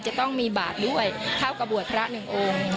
จะต้องมีบาทด้วยเท่ากับบวชพระหนึ่งองค์